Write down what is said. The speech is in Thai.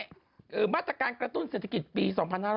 เป็นการกระตุ้นเศรษฐกิจปี๒๕๒๒